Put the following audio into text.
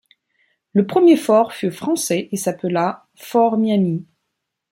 Le premier fort fut français et s'appela Fort Miamis.